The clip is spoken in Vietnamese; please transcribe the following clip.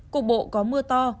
cụ bộ có mưa to